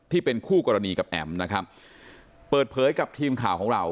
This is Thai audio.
ที่เป็นคู่กรณีกับแอ๋มนะครับเปิดเผยกับทีมข่าวของเรา